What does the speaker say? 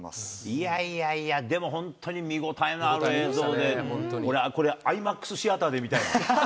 いやいやいや、でも本当に見応えのある映像で、俺はこれ、アイマックスシアターで見たいもん。